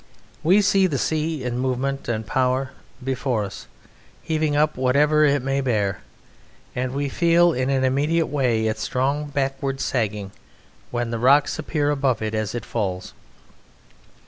We see the sea in movement and power before us heaving up whatever it may bear, and we feel in an immediate way its strong backward sagging when the rocks appear above it as it falls.